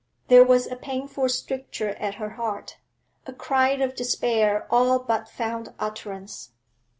There was a painful stricture at her heart; a cry of despair all but found utterance.